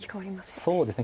そうですね結構。